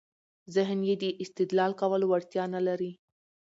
ذهن يې د استدلال کولو وړتیا نلري.